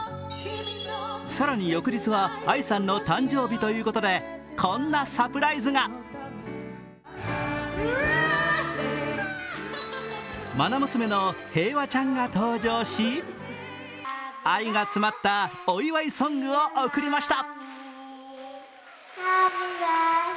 更に翌日はＡＩさんの誕生日ということでこんなサプライズがまな娘の平和ちゃんが登場し、愛が詰まったお祝いソングを贈りました。